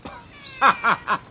ハハハハ。